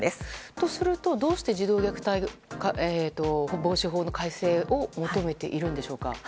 とするとどうして児童虐待防止法の改正を求めているんでしょうか。